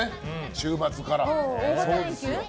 週末から。